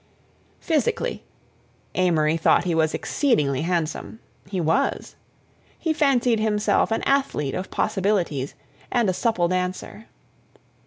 Physically.—Amory thought that he was exceedingly handsome. He was. He fancied himself an athlete of possibilities and a supple dancer.